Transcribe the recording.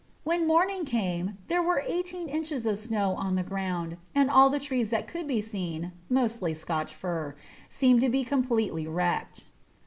When morning came there were eighteen inches of snow on the ground, and all the trees that could be seen, mostly Scotch fir, seemed to be completely wrecked.